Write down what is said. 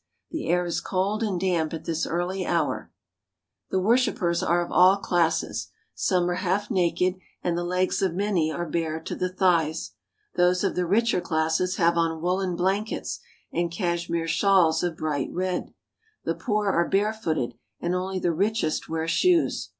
The air is cold and damp at this early hour. The worshipers are of all classes. Some are half naked, and the legs of many are bare to the thighs. Those of the richer classes have on woolen blankets and cashmere shawls of bright red. The poor are barefooted, and only the richest wear shoes.